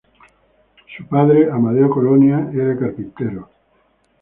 Su padre, Amadeo Colonia, era carpintero.